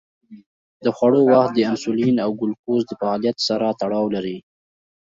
د خوړو وخت د انسولین او ګلوکوز د فعالیت سره تړاو لري.